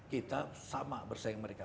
kita sama bersaing mereka